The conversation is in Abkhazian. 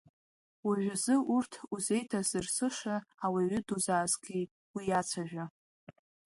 Уажәазы урҭ узеиҭазырсыша ауаҩы дузаазгеит, уиацәажәа…